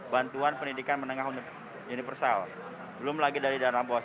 bantuan pendidikan menengah universal belum lagi dari dana bos